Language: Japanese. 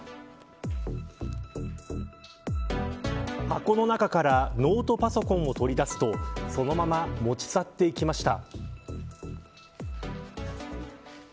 箱の中からノートパソコンを取り出すとそのまま持ち去って行きました。